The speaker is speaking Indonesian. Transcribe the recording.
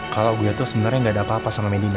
kalau gue tuh sebenarnya gak ada apa apa sama medina